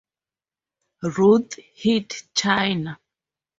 Ruth hit China.